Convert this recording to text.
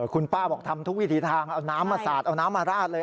คุณป้าบอกทำทุกวิถีทางเอาน้ำมาสาดเอาน้ำมาราดเลย